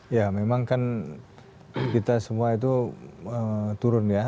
ya memang kan kita semua itu turun ya